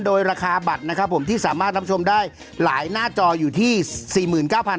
โดยราคาบัตรนะครับผมที่สามารถรับชมได้หลายหน้าจออยู่ที่สี่หมื่นเก้าพัน